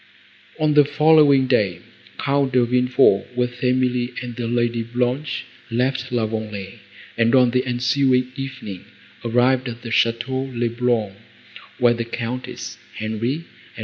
On the following day, Count De Villefort, with Emily and the Lady Blanche, left La Vallée, and, on the ensuing evening, arrived at the Château le Blanc, where the Countess, Henri, and M.